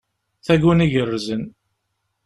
Taguni igerrzen!